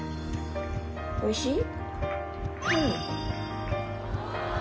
おいしい？